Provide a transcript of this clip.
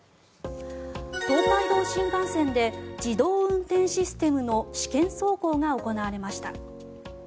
東海道新幹線で自動運転システムの試験走行が行われました。